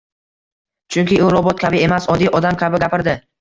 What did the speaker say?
Chunki u robot kabi emas, oddiy odam kabi gapirdi